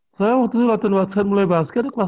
kenal basket dari tahun berapa sih mas berarti mas